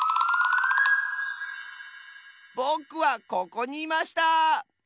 ぼくはここにいました！